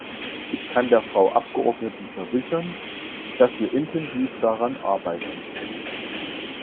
Ich kann der Frau Abgeordneten versichern, dass wir intensiv daran arbeiten.